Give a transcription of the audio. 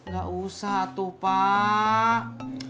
gak usah atuh pak